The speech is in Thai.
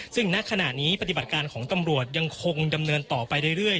ซึ่งณขณะนี้ปฏิบัติการของตำรวจยังคงดำเนินต่อไปเรื่อย